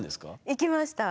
行きました。